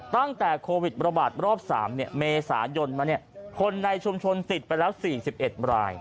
ตั้งแต่โควิดประบาทรอบสามเนี่ยเมษายนมาเนี่ยคนในชุมชนติดไปแล้วสี่สิบเอ็ดราย